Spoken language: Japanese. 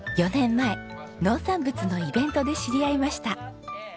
４年前農産物のイベントで知り合いました。